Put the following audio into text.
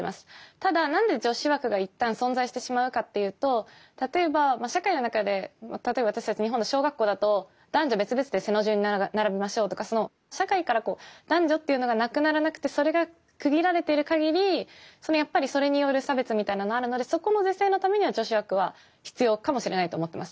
ただなんで女子枠が一旦存在してしまうかっていうと例えば社会の中で例えば私たち日本の小学校だと男女別々で背の順に並びましょうとか社会から男女っていうのがなくならなくてそれが区切られてるかぎりやっぱりそれによる差別みたいなのはあるのでそこの是正のためには女子枠は必要かもしれないと思ってます。